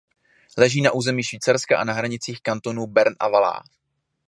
Leží na území Švýcarska na hranicích kantonů Bern a Valais.